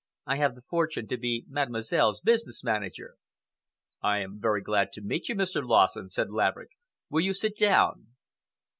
I have the fortune to be Mademoiselle's business manager. "I am very glad to meet you, Mr. Lassen," said Laverick. "Will you sit down?"